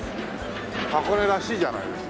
箱根らしいじゃないですか。